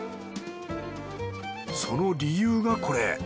その理由がこれ。